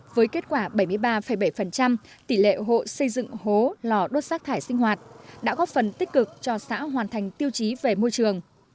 với kết quả bảy mươi ba bảy tỷ lệ hộ xây dựng hố lò đốt rác thải sinh hoạt đã góp phần tích cực cho xã hoàn thành tiêu chí về môi trường